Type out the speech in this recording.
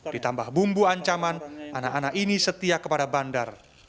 ditambah bumbu ancaman anak anak ini setia kepada bandar